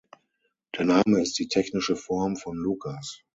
Der Name ist die tschechische Form von Lukas.